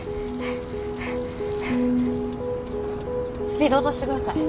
スピード落としてください。